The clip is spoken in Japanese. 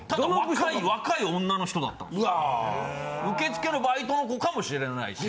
受付のバイトの子かもしれないし。